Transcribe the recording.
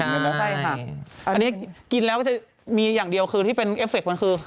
ใช่ค่ะอันนี้กินแล้วก็จะมีอย่างเดียวคือที่เป็นเอฟเคมันคือ